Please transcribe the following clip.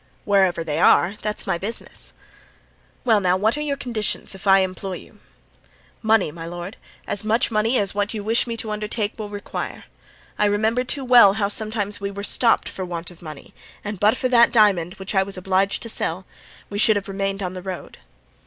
"Wherever they are, that's my business." "Well, now, what are your conditions, if I employ you?" "Money, my lord, as much money as what you wish me to undertake will require. I remember too well how sometimes we were stopped for want of money, and but for that diamond, which I was obliged to sell, we should have remained on the road."